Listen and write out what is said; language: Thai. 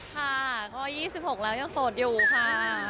ค่ะก็๒๖แล้วยังโสดอยู่ค่ะ